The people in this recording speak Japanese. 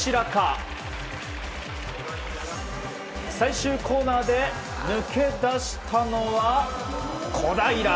最終コーナーで抜け出したのは小平。